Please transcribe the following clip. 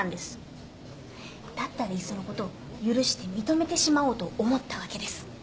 だったらいっそのこと許して認めてしまおうと思ったわけです。